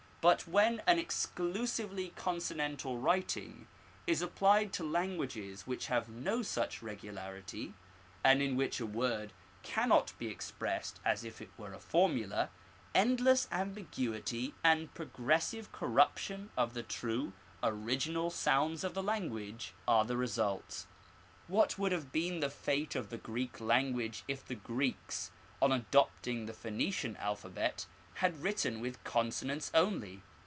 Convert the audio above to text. But when an exclusively consonantal writing is applied to languages which have no such regularity, and in which a word cannot be ex pressed as it were by a formtda, endless ambiguity and pro gressive corruption of the true original sounds of the language are the result. What would have been the fate of the Greek language if the Greeks, on adopting the Phoenician alphabet, had written with consonants only